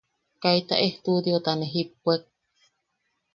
Kaita ejtudiota ne jippuek.